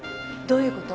どういう事？